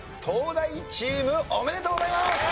東大チームおめでとうございます！